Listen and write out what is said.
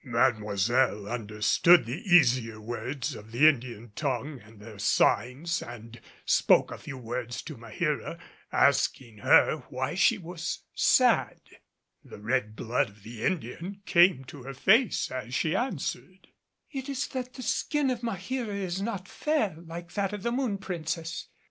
Mademoiselle understood the easier words of the Indian tongue and their signs, and spoke a few words to Maheera asking her why she was sad. The red blood of the Indian came to her face as she answered, "It is that the skin of Maheera is not fair like that of the Moon Princess.